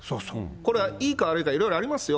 これはいいか悪いかはいろいろありますよ。